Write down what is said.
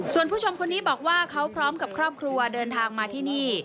ส่วนผู้ชมคนนี้บอกว่าเขาพร้อมกับครอบครัวเดินทางมาที่นี่